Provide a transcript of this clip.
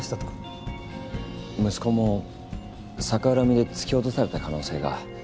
息子も逆恨みで突き落とされた可能性が。